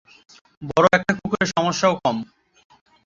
বড় একটা কুকুরের সমস্যা ও কম।